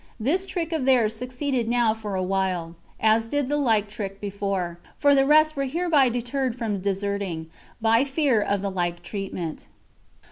This trick of theirs succeeded now for a while, as did the like trick before; for the rest were hereby deterred from deserting, by fear of the like treatment.